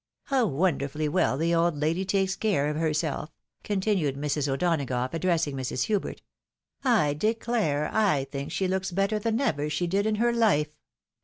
How wonderfully well the old lady takes care of herself! " continued Mrs. O'Donagough, addressing Mrs. Hubert ;" I declare I think she looks better than ever she did in her Ufe.